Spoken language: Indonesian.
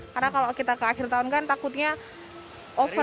karena kalau kita ke akhir tahun kan takutnya over